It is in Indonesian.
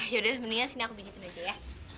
yaudah mendingan sini aku bijitin aja ya